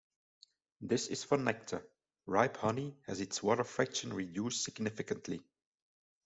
This is for nectar, ripe honey has its water fraction reduced significantly.